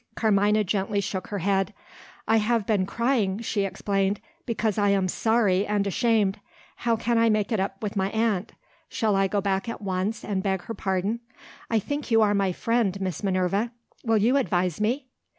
Carmina gently shook her head. "I have been crying," she explained, "because I am sorry and ashamed. How can I make it up with my aunt? Shall I go back at once and beg her pardon? I think you are my friend, Miss Minerva. Will you advise me?"